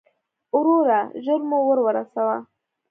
وروره، ژر مو ور ورسوه.